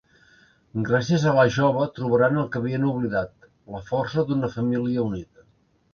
Gràcies a la jove, trobaran el que havien oblidat: la força d'una família unida.